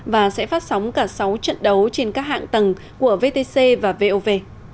và sẽ phát sóng cả sáu trận đấu trên các hạng tầng của vtc và vov